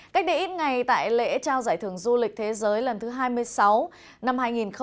cách để ít ngày tại lễ trao giải thưởng du lịch thế giới lần thứ hai mươi sáu năm hai nghìn một mươi chín